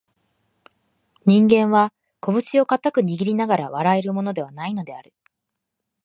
人間は、こぶしを固く握りながら笑えるものでは無いのである